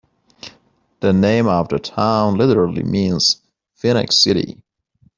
The name of the town literally means, Phoenix City.